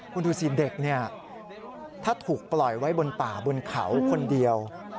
คุณดูสิเด็กเนี่ยถ้าถูกปล่อยไว้บนป่าบนเขาคนเดียว